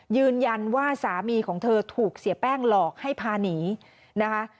ยืนยันว่าสามีของเธอถูกเสียแป้งหลอกให้พาหนีนะคะ